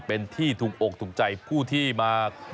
เป็นที่ถูกอกถูกใจผู้ที่มา